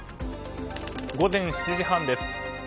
午前７時半です。